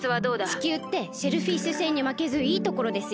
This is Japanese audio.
地球ってシェルフィッシュ星にまけずいいところですよ。